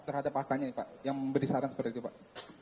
terhadap faktanya pak yang memberi saran seperti itu pak